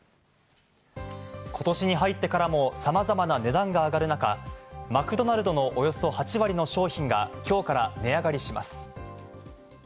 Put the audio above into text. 今年に入ってからも様々な値段が上がる中、マクドナルドのおよそ８割の商品が今日から値上がりします。